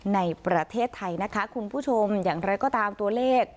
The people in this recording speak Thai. ในประเทศไทยนะคะคุณผู้ชมอย่างไรก็ตามตัวเลข